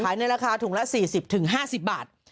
ขายในราคาถุงละ๔๐ถึง๕๐บาท